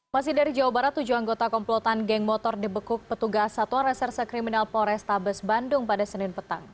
masih dari jawa barat tujuh anggota komplotan geng motor dibekuk petugas satuan reserse kriminal polrestabes bandung pada senin petang